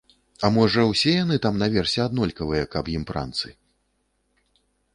А можа, усе яны там наверсе аднолькавыя, каб ім пранцы.